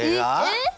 えっ！？